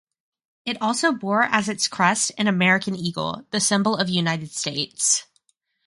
It also bore as its crest an American eagle, the symbol of United States.